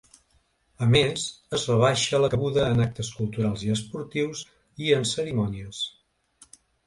A més, es rebaixa la cabuda en actes culturals i esportius i en cerimònies.